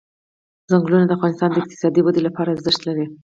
چنګلونه د افغانستان د اقتصادي ودې لپاره ارزښت لري.